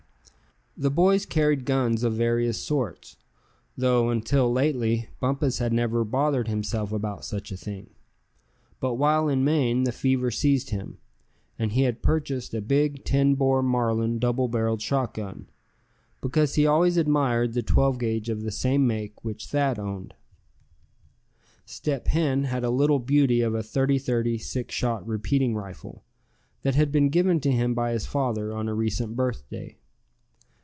The boys carried guns of various sorts, though until lately Bumpus had never bothered himself about such a thing. But while in Maine the fever seized him, and he had purchased a big ten bore Marlin double barreled shotgun; because he always admired the twelve gauge of the same make which Thad owned. Step Hen had a little beauty of a thirty thirty six shot repeating rifle, that had been given to him by his father on a recent birthday.